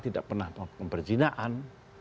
tidak pernah memperjinaan